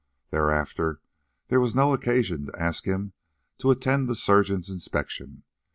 Thereafter, there was no occasion to ask him to attend the surgeon's inspection.